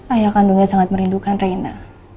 ayah kandungnya sangat merindukan reina